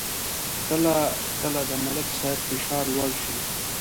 کله کله د ملک صاحب فشار لوړ شي